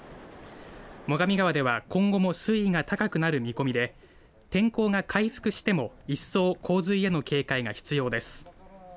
最上川では今後も水位が高くなる見込みで天候が回復しても一層、洪水への警戒が必要です。